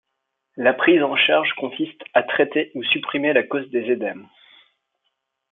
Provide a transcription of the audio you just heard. La prise en charge consiste à traiter ou supprimer la cause des œdèmes.